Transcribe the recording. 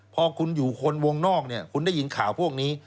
พอคุณอยู่คนวงนอกเนี่ยคุณได้ยินข่าวพวกนี้